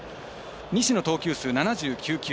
西の投球数７９球。